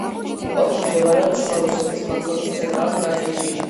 ოლქი მდებარეობს შუა რუსეთის მაღლობის ცენტრალურ ნაწილში.